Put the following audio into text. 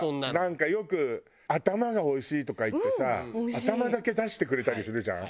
なんかよく「頭がおいしい」とか言ってさ頭だけ出してくれたりするじゃん。